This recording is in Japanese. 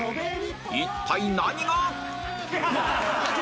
一体何が！？